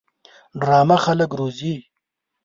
ډرامه خلک روزي